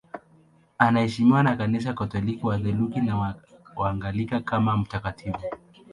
Anaheshimiwa na Kanisa Katoliki, Walutheri na Waanglikana kama mtakatifu.